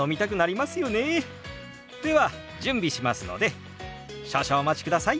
では準備しますので少々お待ちください。